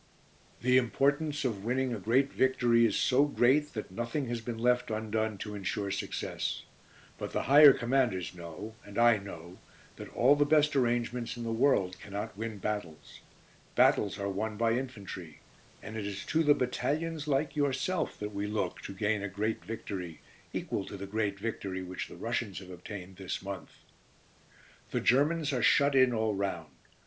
"The importance of winning a great victory is so great that nothing has been left undone to ensure success. But the higher Commanders know and I know that all the best arrangements in the world cannot win battles. Battles are won by infantry, and it is to the battalions like yourself that we look to gain a great victory, equal to the great victory which the Russians have obtained this month. "The Germans are shut in all round.